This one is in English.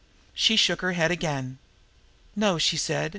She shook her head again. "No," she said.